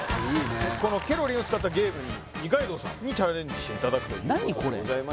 このケロリンを使ったゲームに二階堂さんにチャレンジしていただくと何これ何なの？